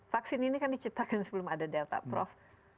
vaksin ini kan diciptakan sebelum ada delta prof